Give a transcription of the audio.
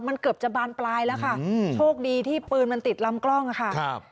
มันเกือบจะบานปลายแล้วค่ะอืมโชคดีที่ปืนมันติดลำกล้องค่ะครับ